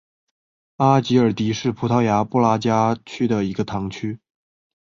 阿吉尔迪是葡萄牙布拉加区的一个堂区。